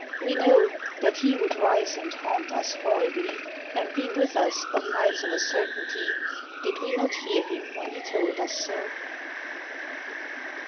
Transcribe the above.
We know That he would rise and haunt us horribly. And be with us o' nights of a certainty. Did we not hear him when he told us so?